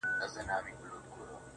هغه هم نسته جدا سوی يمه_